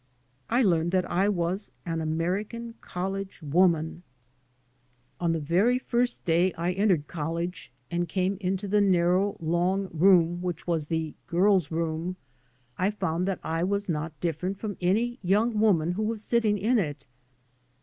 I learned that I was an American collie woman. 3 by Google MY. MOTHER AND I On the very first day I entered college, and came into the narrow, long room which was the " girls' room," I found that I was not different from any young woman who was sit ting in it.